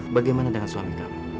bagaimana dengan suami kamu